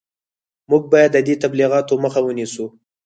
موږ باید د دې تبلیغاتو مخه ونیسو